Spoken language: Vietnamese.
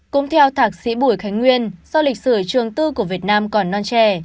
cũng theo thạc sĩ bùi khánh nguyên do lịch sử trường tư của việt nam còn non trẻ